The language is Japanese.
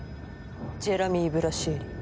ジェラミー・ブラシエリ。